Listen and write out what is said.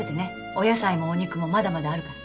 お野菜もお肉もまだまだあるから。